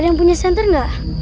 ada yang punya senter enggak